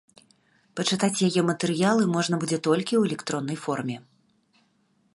Пачытаць яе матэрыялы можна будзе толькі ў электроннай форме.